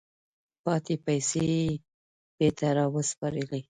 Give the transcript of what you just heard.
پاتې پیسې یې بیرته را وسپارلې.